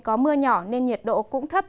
có mưa nhỏ nên nhiệt độ cũng thấp